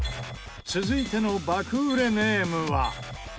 続いての爆売れネームは。